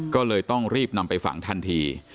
ก็เลยต้องรีบนำไปฝังทันที